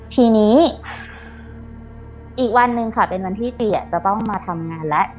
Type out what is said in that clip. ทีนี้อีกวันหนึ่งค่ะเป็นวันที่จีจะต้องมาทำงานแล้ว